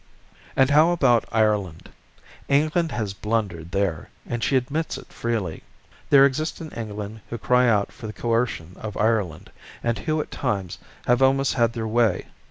And how about Ireland? England has blundered there, and she admits it freely. They exist in England who cry out for the coercion of Ireland, and who at times have almost had their way.